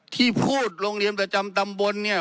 ที่พูดโรงเรียนประจำตำบลเนี่ย